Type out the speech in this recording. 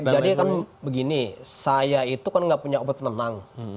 jadi kan begini saya itu kan nggak punya obat penenang